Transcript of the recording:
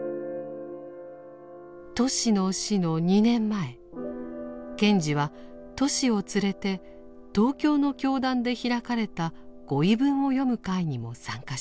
トシの死の２年前賢治はトシを連れて東京の教団で開かれた御遺文を読む会にも参加していました。